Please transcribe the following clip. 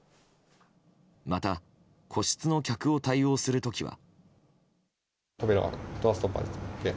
また、個室の客を対応する時は。